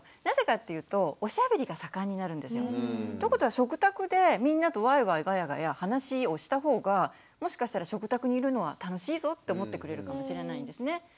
なぜかっていうとおしゃべりが盛んになるんですよ。ということは食卓でみんなとワイワイガヤガヤ話をした方がもしかしたら食卓にいるのは楽しいぞって思ってくれるかもしれないんですね。